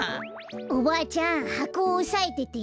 おばあちゃんはこおさえてて。